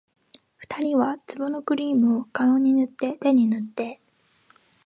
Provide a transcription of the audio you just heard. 二人は壺のクリームを、顔に塗って手に塗って